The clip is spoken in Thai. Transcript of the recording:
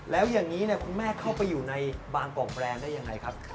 แล้วอย่างนี้คุณแม่เข้าไปอยู่ในบางกอกแรงได้ยังไงครับ